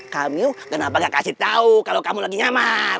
kamu kenapa gak kasih tau kalau kamu lagi nyaman